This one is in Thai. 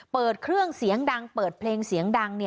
เปิดเครื่องเสียงดังเปิดเพลงเสียงดัง